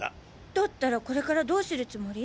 だったらこれからどうするつもり？